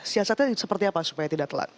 siasatnya seperti apa supaya tidak telat